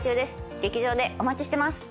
劇場でお待ちしてます。